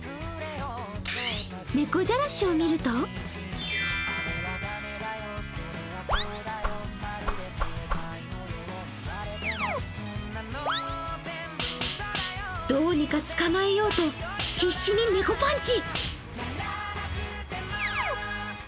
猫じゃらしを見るとどうにか捕まえようと必死に猫パンチ。